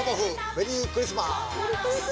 メリークリスマス。